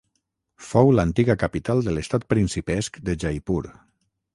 Fou l'antiga capital de l'estat principesc de Jaipur.